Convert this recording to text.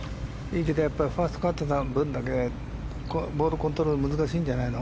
ファーストカットの分だけボールコントロールが難しいんじゃないの？